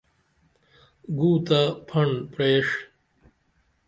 گو تہ پھڑن پریڜ